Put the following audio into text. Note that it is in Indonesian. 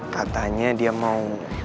katanya dia mau